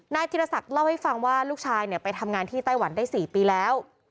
ธิรศักดิ์เล่าให้ฟังว่าลูกชายไปทำงานที่ไต้หวันได้๔ปีแล้ว